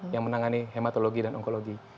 yang menangani hematologi dan onkologi